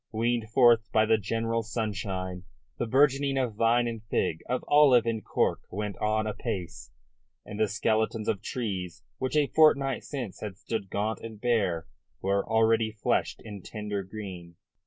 Weaned forth by the generous sunshine, the burgeoning of vine and fig, of olive and cork went on apace, and the skeletons of trees which a fortnight since had stood gaunt and bare were already fleshed in tender green.